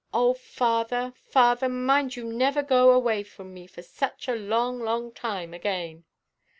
O father, father, mind you never go away from me such a long, long time again."